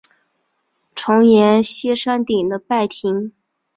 重檐歇山顶的拜亭。